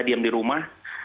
diam di rumah